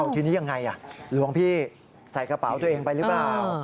ทีนี้ยังไงหลวงพี่ใส่กระเป๋าตัวเองไปหรือเปล่า